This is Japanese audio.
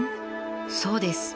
そうです。